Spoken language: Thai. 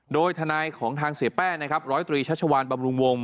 โดยทนายของทางเสียแป้งนะครับร้อยตรีชัชวานบำรุงวง